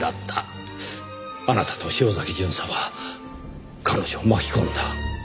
あなたと潮崎巡査は彼女を巻き込んだ。